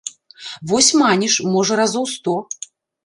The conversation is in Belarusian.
Вось маніш, можа, разоў сто.